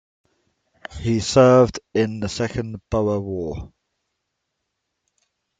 He served in the Second Boer War.